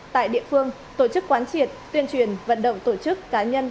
tại địa phương tổ chức quán triệt tuyên truyền vận động tổ chức cá nhân